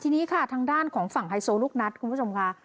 ทีนี้ค่ะทางด้านของฝั่งไฮโซลูกนัดคุณผู้ชมค่ะ